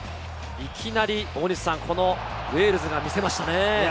いきなり大西さん、ウェールズが見せました